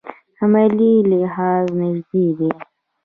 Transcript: عملي لحاظ نژدې دي.